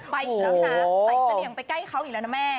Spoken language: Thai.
ไปอีกแล้วนะใส่เสลี่ยงไปใกล้เขาอีกแล้วนะแม่